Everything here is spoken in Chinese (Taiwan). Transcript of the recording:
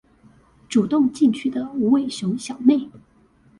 主動進取的無尾熊小妹